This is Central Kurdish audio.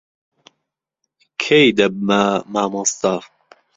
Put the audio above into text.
کەی دەبمە مامۆستا؟